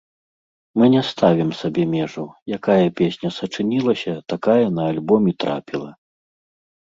Мы не ставім сабе межаў, якая песня сачынілася, такая на альбом і трапіла!